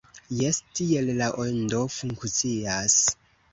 Jes, tiel La Ondo funkcias.